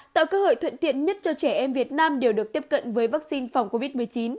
tạo cơ hội thuận tiện nhất cho trẻ em việt nam đều được tiếp cận với vaccine phòng covid một mươi chín